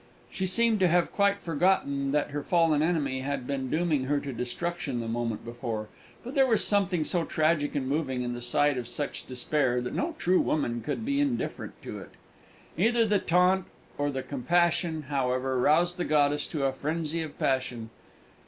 She seemed to have quite forgotten that her fallen enemy had been dooming her to destruction the moment before; but there was something so tragic and moving in the sight of such despair that no true woman could be indifferent to it. Either the taunt or the compassion, however, roused the goddess to a frenzy of passion.